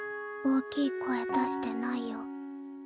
大きい声出してないよ。